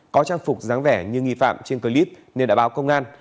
có trang phục dáng vẻ như nghi phạm trên clip nên đã báo công an